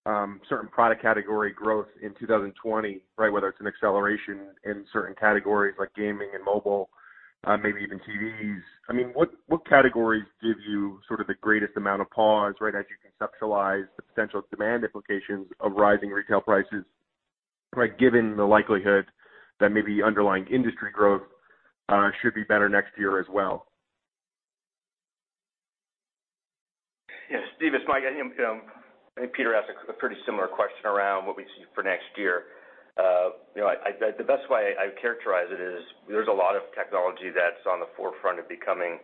certain product category growth in 2020, whether it's an acceleration in certain categories like gaming and mobile, maybe even TVs. What categories give you the greatest amount of pause as you conceptualize the potential demand implications of rising retail prices, given the likelihood that maybe underlying industry growth should be better next year as well? Yes, Steve, it's Mike. I think Peter asked a pretty similar question around what we see for next year. The best way I characterize it is there's a lot of technology that's on the forefront of becoming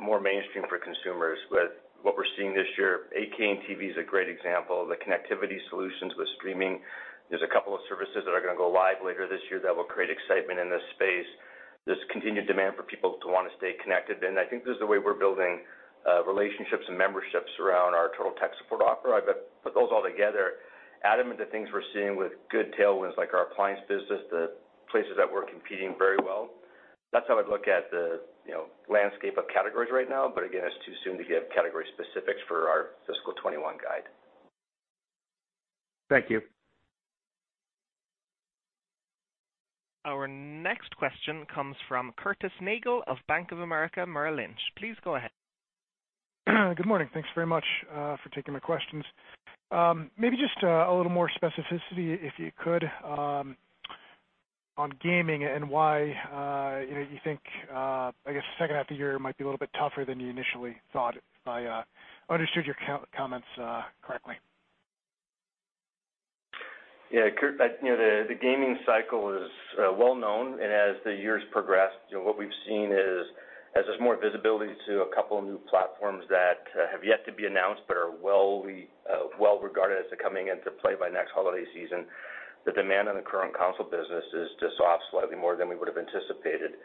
more mainstream for consumers. With what we're seeing this year, 8K and TV is a great example. The connectivity solutions with streaming. There's a couple of services that are going to go live later this year that will create excitement in this space. There's continued demand for people to want to stay connected. I think this is the way we're building relationships and memberships around our Total Tech Support offer. I put those all together, add them into things we're seeing with good tailwinds, like our appliance business, the places that we're competing very well. That's how I'd look at the landscape of categories right now. Again, it's too soon to give category specifics for our fiscal 2021 guide. Thank you. Our next question comes from Curtis Nagle of Bank of America Merrill Lynch. Please go ahead. Good morning. Thanks very much for taking my questions. Maybe just a little more specificity, if you could, on gaming and why you think the second half of the year might be a little bit tougher than you initially thought, if I understood your comments correctly? Yeah, Curt. The gaming cycle is well-known. As the years progress, what we've seen is, as there's more visibility to a couple of new platforms that have yet to be announced but are well regarded as to coming into play by next holiday season, the demand on the current console business has just off slightly more than we would have anticipated.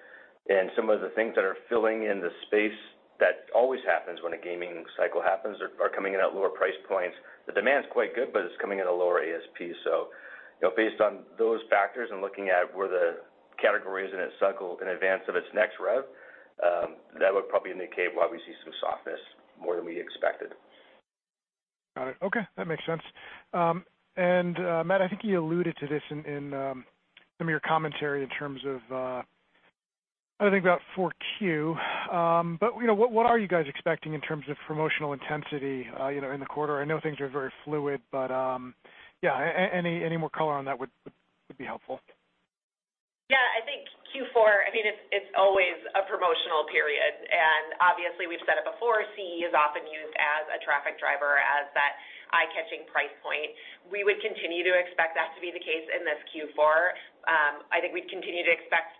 Some of the things that are filling in the space, that always happens when a gaming cycle happens, are coming in at lower price points. The demand's quite good, it's coming at a lower ASP. Based on those factors and looking at where the category is in advance of its next rev, that would probably indicate why we see some softness more than we expected. Got it. Okay. That makes sense. Matt, I think you alluded to this in some of your commentary in terms of, I think about 4Q. What are you guys expecting in terms of promotional intensity in the quarter? I know things are very fluid, but any more color on that would be helpful. Yeah, I think Q4, it's always a promotional period, and obviously we've said it before, CE is often used as a traffic driver, as that eye-catching price point. We would continue to expect that to be the case in this Q4. I think we'd continue to expect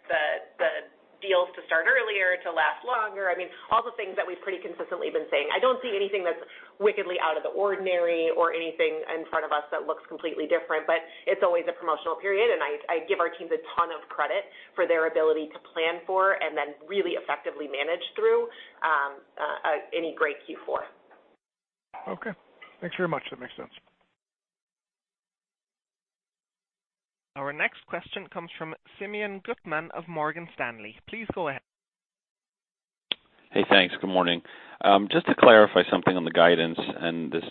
the deals to start earlier, to last longer. All the things that we've pretty consistently been saying. I don't see anything that's wickedly out of the ordinary or anything in front of us that looks completely different, but it's always a promotional period, and I give our teams a ton of credit for their ability to plan for and then really effectively manage through any great Q4. Thanks very much. That makes sense. Our next question comes from Simeon Gutman of Morgan Stanley. Please go ahead. Hey, thanks. Good morning. Just to clarify something on the guidance and this,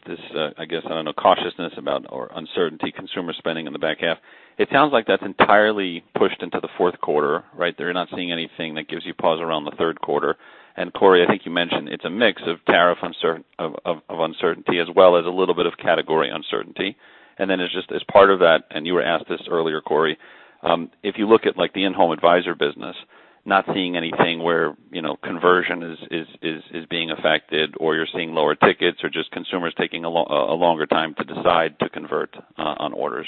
I guess, cautiousness about or uncertainty consumer spending in the back half. It sounds like that's entirely pushed into the fourth quarter, right? That you're not seeing anything that gives you pause around the third quarter. Corie, I think you mentioned it's a mix of tariff uncertainty as well as a little bit of category uncertainty. As part of that, you were asked this earlier, Corie, if you look at the In-Home Advisor business, not seeing anything where conversion is being affected or you're seeing lower tickets or just consumers taking a longer time to decide to convert on orders.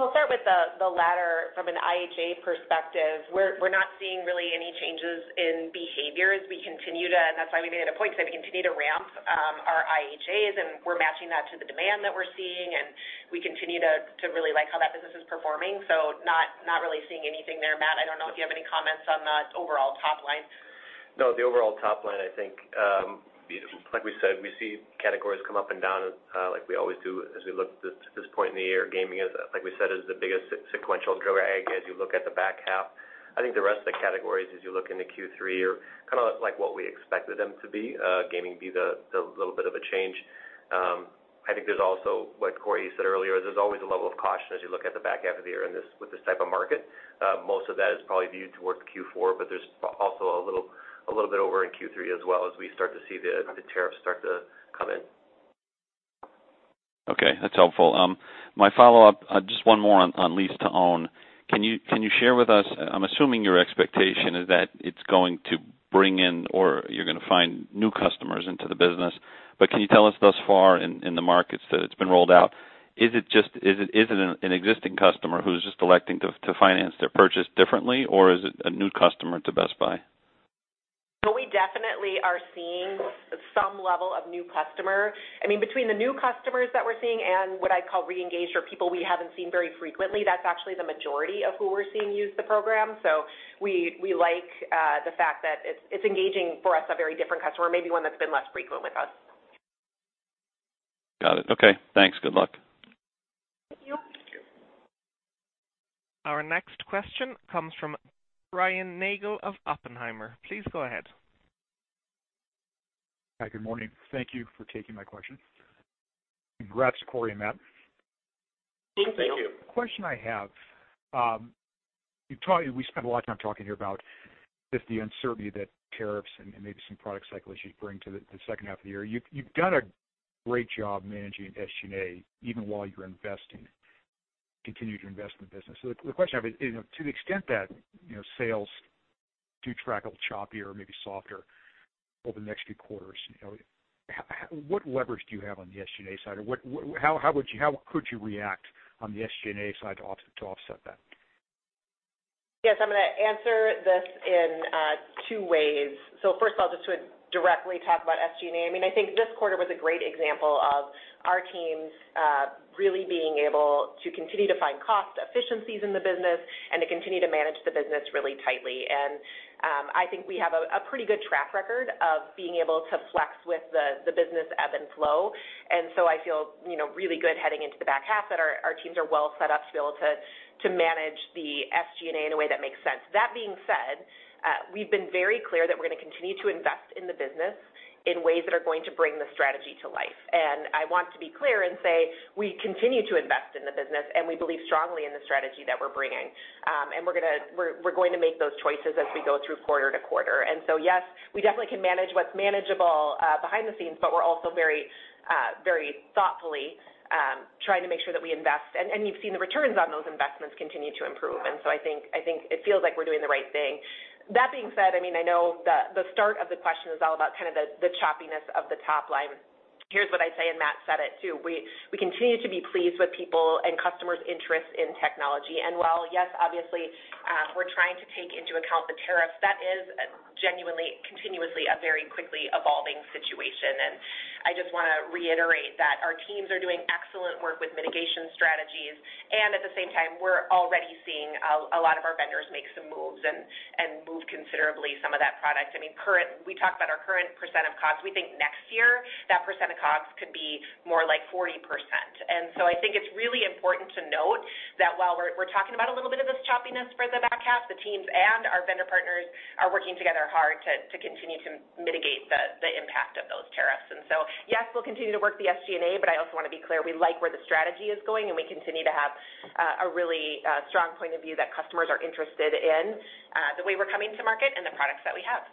We'll start with the latter from an IHA perspective. We're not seeing really any changes in behaviors. We continue to, and that's why we made it a point, said we continue to ramp our IHAs, and we're matching that to the demand that we're seeing, and we continue to really like how that business is performing. Not really seeing anything there. Matt, I don't know if you have any comments on the overall top line. No, the overall top line, I think, like we said, we see categories come up and down like we always do as we look at this point in the year. Gaming is, like we said, is the biggest sequential drag as you look at the back half. I think the rest of the categories, as you look into Q3, are kind of like what we expected them to be. Gaming will be the little bit of a change. I think there's also, what Corie said earlier, there's always a level of caution as you look at the back half of the year. This type of market. Most of that is probably viewed towards Q4. There's also a little bit over in Q3 as well, as we start to see the tariffs start to come in. Okay, that's helpful. My follow-up, just one more on lease to own. Can you share with us, I'm assuming your expectation is that it's going to bring in, or you're going to find new customers into the business, but can you tell us thus far in the markets that it's been rolled out, is it an existing customer who's just electing to finance their purchase differently, or is it a new customer to Best Buy? We definitely are seeing some level of new customer. Between the new customers that we're seeing and what I'd call re-engaged or people we haven't seen very frequently, that's actually the majority of who we're seeing use the program. We like the fact that it's engaging for us a very different customer, maybe one that's been less frequent with us. Got it. Okay. Thanks. Good luck. Thank you. Our next question comes from Brian Nagel of Oppenheimer. Please go ahead. Hi, good morning. Thank you for taking my question. Congrats to Corie and Matt. Thank you. The question I have, we spent a lot of time talking here about just the uncertainty that tariffs and maybe some product cycle issues bring to the second half of the year. You've done a great job managing SG&A even while you're investing, continue to invest in the business. The question I have is, to the extent that sales do track a little choppier or maybe softer over the next few quarters, what leverage do you have on the SG&A side? Or how could you react on the SG&A side to offset that? Yes, I'm going to answer this in two ways. First of all, just to directly talk about SG&A, I think this quarter was a great example of our teams really being able to continue to find cost efficiencies in the business and to continue to manage the business really tightly. I think we have a pretty good track record of being able to flex with the business ebb and flow. I feel really good heading into the back half that our teams are well set up to be able to manage the SG&A in a way that makes sense. That being said, we've been very clear that we're going to continue to invest in the business in ways that are going to bring the strategy to life. I want to be clear and say we continue to invest in the business, and we believe strongly in the strategy that we're bringing. We're going to make those choices as we go through quarter to quarter. Yes, we definitely can manage what's manageable behind the scenes, but we're also very thoughtfully trying to make sure that we invest, and you've seen the returns on those investments continue to improve. I think it feels like we're doing the right thing. That being said, I know the start of the question is all about the choppiness of the top line. Here's what I'd say. Matt said it too. We continue to be pleased with people and customers' interest in technology. While yes, obviously, we're trying to take into account the tariffs, that is genuinely, continuously a very quickly evolving situation. I just want to reiterate that our teams are doing excellent work with mitigation strategies and at the same time, we're already seeing a lot of our vendors make some moves and move considerably some of that product. We talked about our current % of costs. We think next year that % of costs could be more like 40%. I think it's really important to note that while we're talking about a little bit of this choppiness for the back half, the teams and our vendor partners are working together hard to continue to mitigate the impact of those tariffs. Yes, we'll continue to work the SG&A, but I also want to be clear, we like where the strategy is going, and we continue to have a really strong point of view that customers are interested in the way we're coming to market and the products that we have.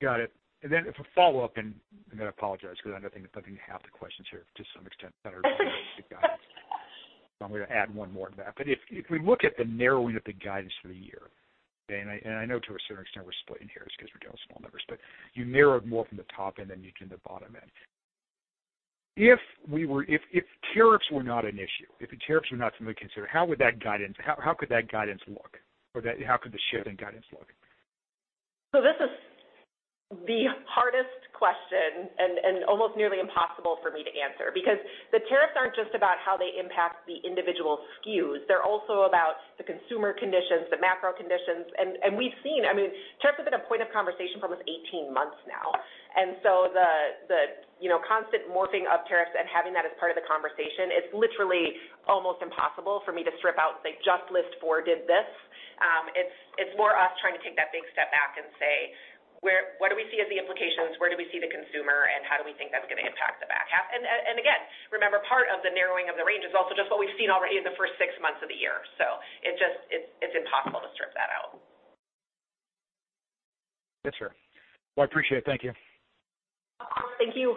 Got it. Then for follow-up, I'm going to apologize because I know think I'm looking at half the questions here to some extent that are related to guidance. I'm going to add one more to that. If we look at the narrowing of the guidance for the year, and I know to a certain extent we're split in here because we're dealing with small numbers, but you narrowed more from the top end than you did from the bottom end. If tariffs were not an issue, if the tariffs were not something to consider, how could that guidance look, or how could the shift in guidance look? This is the hardest question and almost nearly impossible for me to answer because the tariffs aren't just about how they impact the individual SKUs. They're also about the consumer conditions, the macro conditions, and we've seen, tariffs have been a point of conversation for almost 18 months now. The constant morphing of tariffs and having that as part of the conversation, it's literally almost impossible for me to strip out and say, "Just List 4 did this." It's more us trying to take that big step back and say, "What do we see as the implications? Where do we see the consumer, and how do we think that's going to impact the back half?" Again, remember, part of the narrowing of the range is also just what we've seen already in the first six months of the year. It's impossible to strip that out. Yes, sir. Well, I appreciate it. Thank you. Thank you.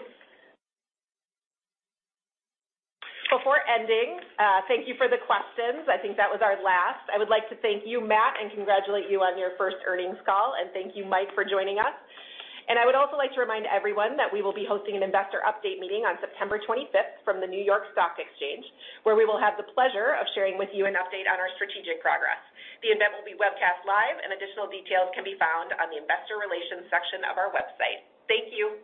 Before ending, thank you for the questions. I think that was our last. I would like to thank you, Matt, and congratulate you on your first earnings call, and thank you, Mike, for joining us. I would also like to remind everyone that we will be hosting an investor update meeting on September 25th from the New York Stock Exchange, where we will have the pleasure of sharing with you an update on our strategic progress. The event will be webcast live and additional details can be found on the investor relations section of our website. Thank you.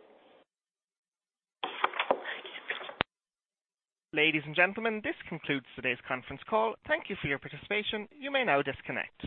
Ladies and gentlemen, this concludes today's conference call. Thank you for your participation. You may now disconnect.